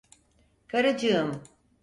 Karıcığım…